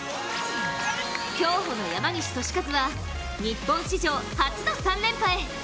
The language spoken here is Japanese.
競歩の山西利和は日本史上初の３連覇へ。